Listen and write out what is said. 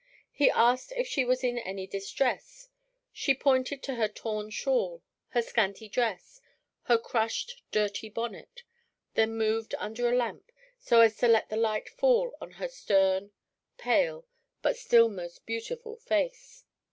He asked if she was in any distress. She pointed to her torn shawl, her scanty dress, her crushed, dirty bonnet; then moved under a lamp so as to let the light fall on her stern, pale, but still most beautiful face.